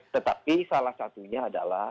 tetapi salah satunya adalah